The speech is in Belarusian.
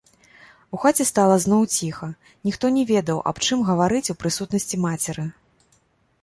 У хаце стала зноў ціха, ніхто не ведаў, аб чым гаварыць у прысутнасці мацеры.